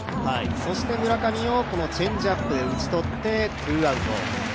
村上をチェンジアップで打ち取ってツーアウト。